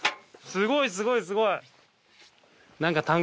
すごいすごいすごい。